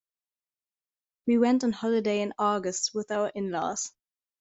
We went on holiday in August with our in-laws.